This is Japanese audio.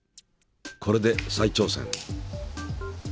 これで再挑戦。